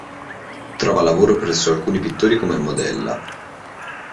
Trova lavoro presso alcuni pittori come modella.